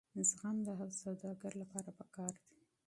زغم د هر سوداګر لپاره پکار دی.